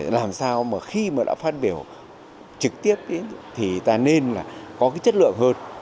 làm sao mà khi mà đã phát biểu trực tiếp thì ta nên là có cái chất lượng hơn